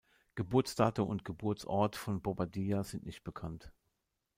Geburtsdatum und Geburtsort von Bobadilla sind nicht bekannt.